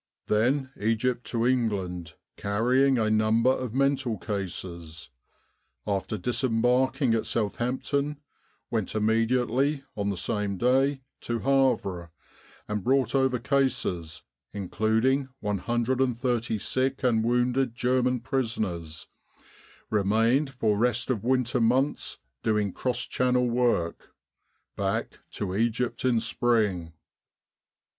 Then Egypt to England, carrying a number of mental cases. After disembarking at South 42 Egypt and the Great War ampton went immediately (same day) to Havre, and brought over cases, including 130 sick and wounded German prisoners. Remained for rest of winter months doing cross Channel work. Back to Egypt in spring."